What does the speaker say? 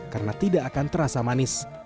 karena tidak akan terasa manis